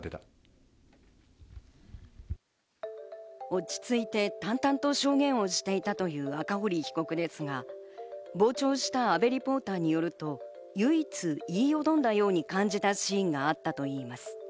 落ち着いて淡々と証言をしていたという赤堀被告ですが、傍聴した阿部リポーターによると、唯一言いよどんだように感じたシーンがあったといいます。